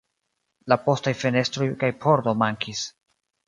La postaj fenestroj kaj pordo mankis.